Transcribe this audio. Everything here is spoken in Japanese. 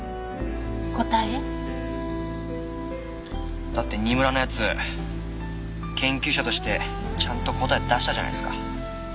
答え？だって新村の奴研究者としてちゃんと答え出したじゃないですか。